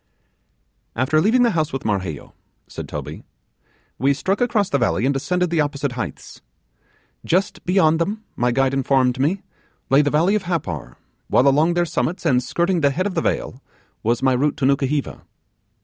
'After leaving the house with Marheyo,' said Toby, 'we struck across the valley, and ascended the opposite heights. Just beyond them, my guide informed me, lay the valley of Happar, while along their summits, and skirting the head of the vale, was my route to Nukuheva.